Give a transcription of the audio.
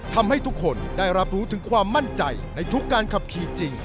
ทำให้ทุกคนได้รับรู้ถึงความมั่นใจในทุกการขับขี่จริง